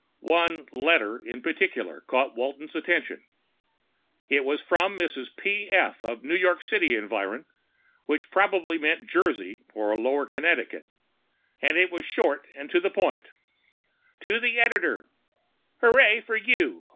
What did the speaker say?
One "letter" in particular caught Walton's attention. It was from a Mrs. P.F. of New York City Environ, which probably meant Jersey or lower Connecticut, and it was short and to the point: To the Editor _Horray for you.